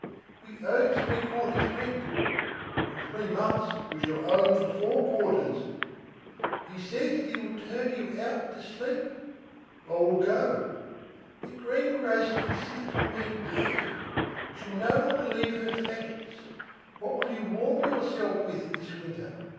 "We owe three quarters rent." "In three months, we shall owe him for four quarters." "He says that he will turn you out to sleep." "I will go." "The green grocer insists on being paid. She will no longer leave her fagots. What will you warm yourself with this winter?